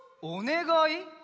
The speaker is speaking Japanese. おねがい？